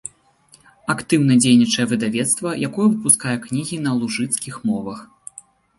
Актыўна дзейнічае выдавецтва, якое выпускае кнігі на лужыцкіх мовах.